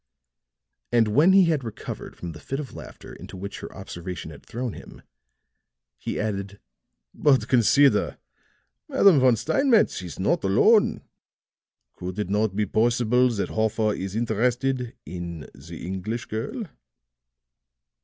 And when he had recovered from the fit of laughter into which her observation had thrown him, he added: "But consider, Madame von Steinmetz is not alone. Could it not be possible that Hoffer is interested in the English girl?"